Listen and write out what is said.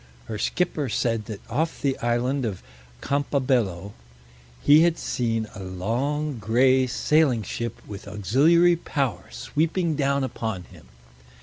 Her skipper said that off the island of Campabello he had seen a long gray sailing ship with auxiliary power sweeping down upon him.